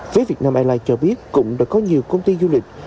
phía việt nam airlines cho biết cũng đã có nhiều công ty du lịch